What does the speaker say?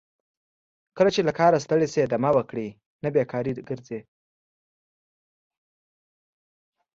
کله چې له کاره ستړي شئ دمه وکړئ نه بیکاره ګرځئ.